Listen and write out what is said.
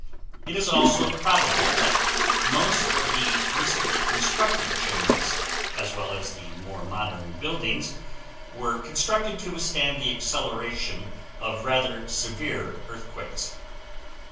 It is also probable that most of the recently constructed chimneys as well as the more modern buildings were constructed to withstand the acceleration of rather severe earthquakes.